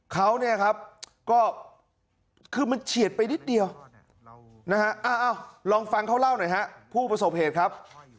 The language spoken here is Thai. เขาเนี่ยครับก็คือมันเฉียดไปนิดเดียวเรานะครับเอาลองฟังเขาเล่าหน่อยฮะผู้ประสวนผลประเภทครับ